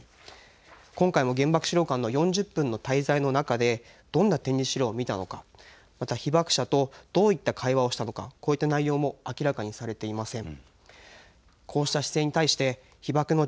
今回の原爆資料館の４０分の滞在の中でどんな資料を見たのかまた被爆者とどういう対話をしたのかその内容も明らかにされていません。